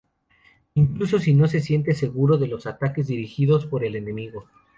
incluso si no se siente seguro de los ataques dirigidos por el enemigo